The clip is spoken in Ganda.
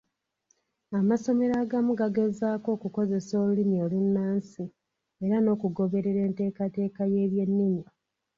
Amasomero agamu gageezaako okukozesa olulimi olunnansi era n’okugoberera enteekerateekera y’ebyennimi.